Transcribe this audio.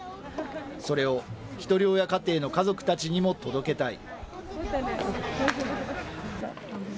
それをひとり親家庭の家族たちにも届けたい。